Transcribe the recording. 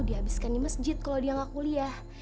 dihabiskan di masjid kalau dia gak kuliah